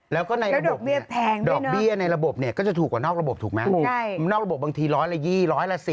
แล้วก็ในระบบดอกเบี้ยในระบบเนี่ยก็จะถูกกว่านอกระบบถูกไหมนอกระบบบางทีร้อยละ๒๐